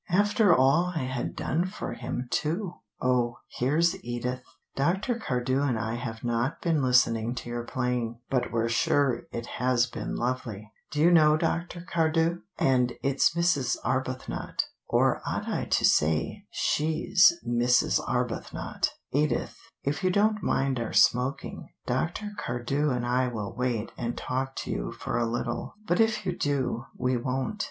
After all I had done for him, too! Oh, here's Edith; Dr. Cardew and I have not been listening to your playing, but we're sure it has been lovely. Do you know Dr. Cardew? And it's Mrs. Arbuthnot, or ought I to say 'she's Mrs. Arbuthnot'? Edith, if you don't mind our smoking, Dr. Cardew and I will wait and talk to you for a little, but if you do, we won't."